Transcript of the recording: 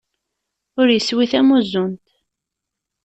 Ur iswi tamuzzunt!